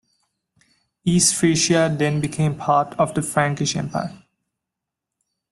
East Frisia then became part of the Frankish Empire.